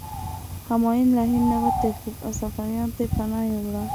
همایون له هند نه وتښتېد او صفویانو ته پناه یووړه.